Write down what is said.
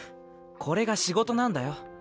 これがしごとなんだよ。